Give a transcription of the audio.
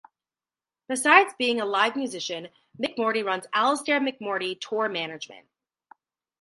Besides being a live musician, McMordie runs Alistair McMordie Tour Management.